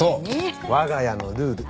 わが家のルール。